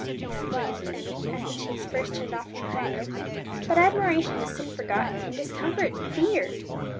exclaimed Emmie, as the chaise first turned off from the high road; but admiration was soon forgotten in discomfort and fear.